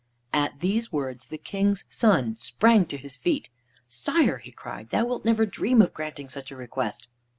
At these words the King's son sprang to his feet. "Sire," he cried, "thou wilt never dream of granting such a request."